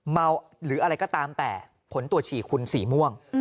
เมาหรืออะไรก็ตามแต่ผลตรวจฉี่คุณสีม่วง